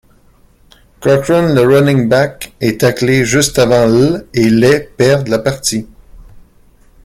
Cochran, le running back, est taclé juste avant l' et les perdent la partie.